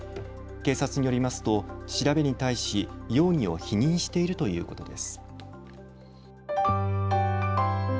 警察によりますと調べに対し容疑を否認しているということです。